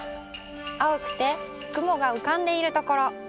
あおくてくもがうかんでいるところ。